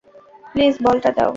Please বলটা দাও।